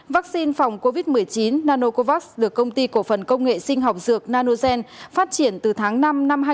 vaccine phòng covid một mươi chín nanocovax được công ty cổ phần công nghệ sinh học dược nanogen phát triển từ tháng năm năm hai nghìn hai mươi